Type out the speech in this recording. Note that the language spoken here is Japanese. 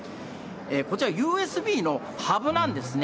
こちらはＵＳＢのハブなんですね。